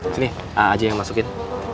sini aja yang masukin